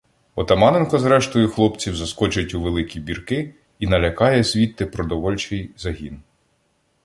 Отаманенко з рештою хлопців заскочить у Великі Бірки і налякає звідти продовольчий загін.